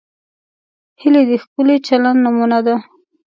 هیلۍ د ښکلي چلند نمونه ده